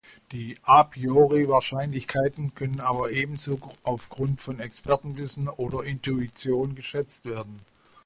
Die A-priori-Wahrscheinlichkeiten können aber ebenso aufgrund von Expertenwissen oder Intuition geschätzt werden.